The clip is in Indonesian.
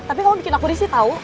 tapi kalau bikin aku risih tahu